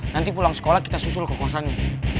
nanti pulang sekolah kita susul kekuasaannya